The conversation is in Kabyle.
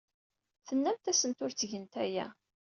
Tennamt-asent ur ttgent aya.